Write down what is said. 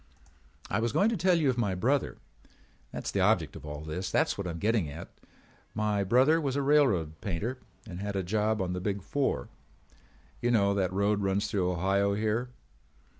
"I was going to tell you of my brother. That's the object of all this. That's what I'm getting at. My brother was a railroad painter and had a job on the Big Four. You know that road runs through Ohio here.